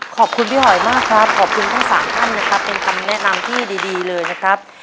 ขอบคุณพี่หอยมากครับขอบคุณทั้งสามท่านนะครับเป็นคำแนะนำที่ดีเลยนะครับ